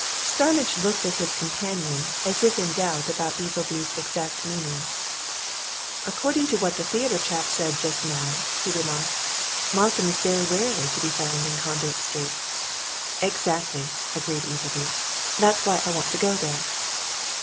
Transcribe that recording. Starmidge looked at his companion as if in doubt about Easleby's exact meaning. "According to what the theatre chap said just now," he remarked, "Markham is very rarely to be found in Conduit Street." "Exactly," agreed Easleby. "That's why I want to go there."